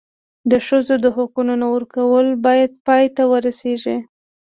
د ښځو د حقونو نه ورکول باید پای ته ورسېږي.